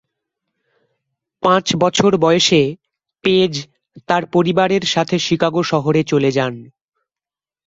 পাঁচ বছর বয়সে পেজ তার পরিবারের সাথে শিকাগো শহরে চলে যান।